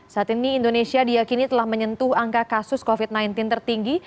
saat ini indonesia diakini telah menyentuh angka kasus covid sembilan belas tertinggi